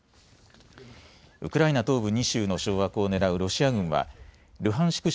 ウクライナ東部２州の掌握をねらうロシア軍はルハンシク